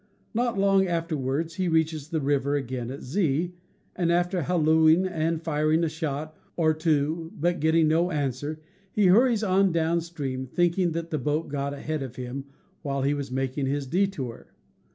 Not long afterward he reaches the river again at Z, and, after hallooing and firing a shot or two, but getting no answer, he hurries on down stream, think ing that the boat got ahead of him while he was making his detour.